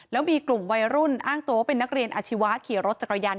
แล้วมีกลุ่มวัยรุ่นอ้างตัวว่าเป็นนักเรียนอาชีวะขี่รถจักรยาน